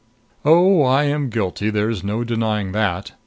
Oh, I am guilty there is no denying that.